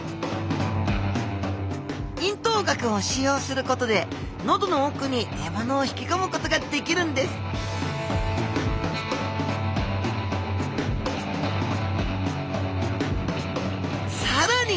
咽頭顎を使用することで喉の奥に獲物を引きこむことができるんですさらに